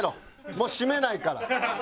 もう閉めないから。